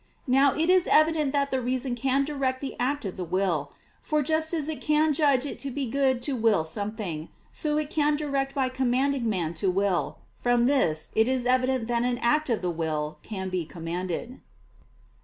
Now it is evident that the reason can direct the act of the will: for just as it can judge it to be good to will something, so it can direct by commanding man to will. From this it is evident that an act of the will can be commanded.